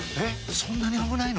そんなに危ないの？